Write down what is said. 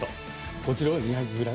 こちらを２００ｇ。